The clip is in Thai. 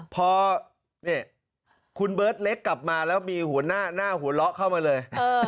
พอคุณเบิร์ตเล็กกลับมาแล้วมีหัวหน้าหน้าหัวเราะเข้ามาเลย